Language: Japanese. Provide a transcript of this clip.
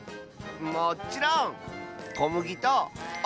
もっちろん！